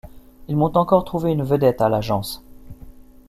Ils m’ont encore trouvé une vedette, à l’agence.